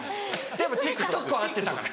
でもＴｉｋＴｏｋは合ってたから。